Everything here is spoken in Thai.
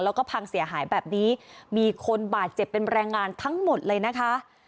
แล้วก็พังเสียหายแบบนี้มีคนบาดเจ็บเป็นแรงงานทั้งหมดเลยนะคะ